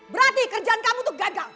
berani kerjaan kamu tuh gagal